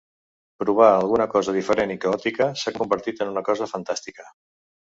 Provar alguna cosa diferent i caòtica s'ha convertit en una cosa fantàstica.